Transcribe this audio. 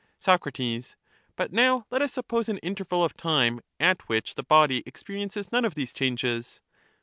Soc. But now let us suppose an interval of time at which the body experiences none of these changes.